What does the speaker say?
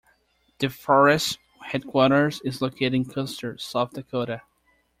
The forest headquarters is located in Custer, South Dakota.